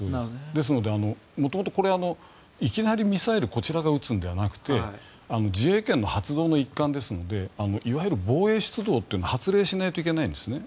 ですので元々、いきなりミサイルをこちらが撃つのではなくて自衛権の発動の一環ですのでいわゆる防衛出動というのを発令しないといけないんですね。